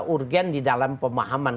urgen di dalam pemahaman